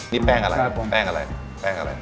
นี่แป้งอะไร